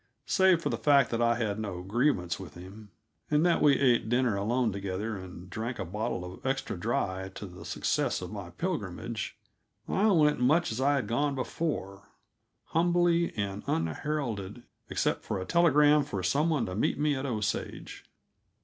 Save for the fact that I had no grievance with him, and that we ate dinner alone together and drank a bottle of extra dry to the success of my pilgrimage, I went much as I had gone before: humbly and unheralded except for a telegram for some one to meet me at Osage.